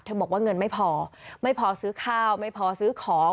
บอกว่าเงินไม่พอไม่พอซื้อข้าวไม่พอซื้อของ